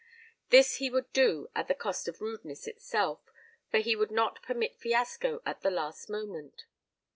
This he would do at the cost of rudeness itself, for he would not permit fiasco at the last moment.